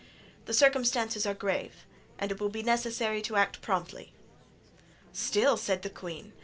The circumstances are grave and it will be necessary to act promptly." "Still!" said the queen.